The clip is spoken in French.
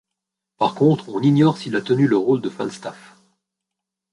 Par contre, on ignore s'il a tenu le rôle de Falstaff.